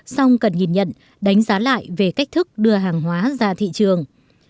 song cần nhìn nhận đánh giá lại về cách thức đưa hàng hóa ra thị trường